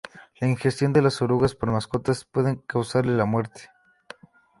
La ingestión de las orugas por mascotas puede causarles la muerte.